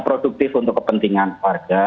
produktif untuk kepentingan warga